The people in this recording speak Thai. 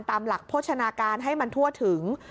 ตามหลักโภชนาการให้มันทั่วถึง